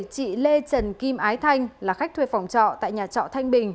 chị lê trần kim ái thanh là khách thuê phòng trọ tại nhà trọ thanh bình